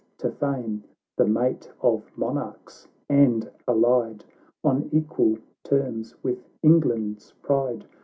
663 The mate of monarchs, and allied On equal terms with England's pride.